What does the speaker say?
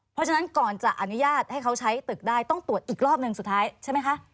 เพราะฉะนั้นก่อนจะอนุญาตให้เขาใช้ตึกได้ต้องตรวจอีกรอบหนึ่งสุดท้ายใช่ไหมคะ